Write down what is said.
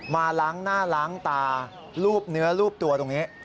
มาล้างหน้าล้างตารูปเนื้อรูปตัวตรงนี้